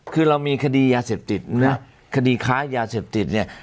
คือเรามีคดียาเสพติดนะคดีค้ายาเสพติดเนี่ย